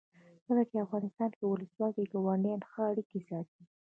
کله چې افغانستان کې ولسواکي وي ګاونډیان ښه اړیکې ساتي.